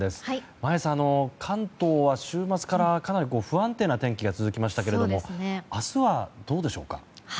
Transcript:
眞家さん、関東は週末からかなり不安定な天気が続きましたけれども明日は、どうでしょうか。